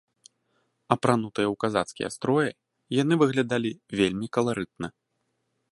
Апранутыя ў казацкія строі, яны выглядалі вельмі каларытна.